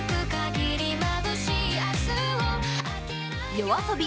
ＹＯＡＳＯＢＩ